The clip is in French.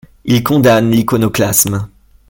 Ils condamnent l'iconoclasme.